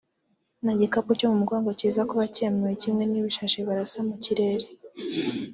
nta gikapu cyo mu mugongo kiza kuba cyemewe kimwe n’ibishashi barasa mu kirere